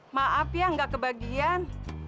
maaf ya gak kebagian